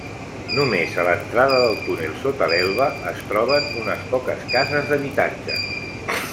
Només a l'entrada del túnel sota l'Elba es troben unes poques cases d'habitatge.